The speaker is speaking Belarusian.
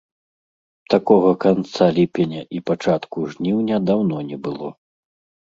Такога канца ліпеня і пачатку жніўня даўно не было.